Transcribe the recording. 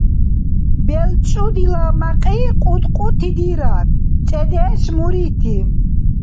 БелчӀудила мякьи кьудкьути дирар, цӀедеш — мурити.